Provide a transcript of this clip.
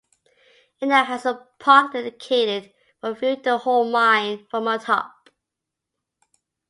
It now has a park dedicated for viewing the whole mine from atop.